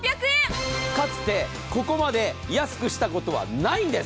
かつて、ここまで安くしたことはないんです。